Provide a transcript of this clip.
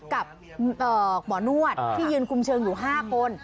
กับหมอนวดที่ยืนคุมเชิงอยู่๕คน